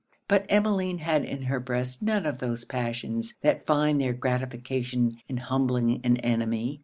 But Emmeline had in her breast none of those passions that find their gratification in humbling an enemy.